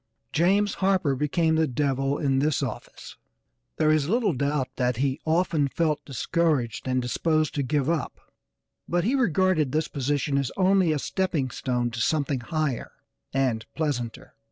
James Harper became the 'devil' in this office. There is little doubt but that he often felt discouraged and disposed to give up, but he regarded this position as only a stepping stone to something higher and pleasanter.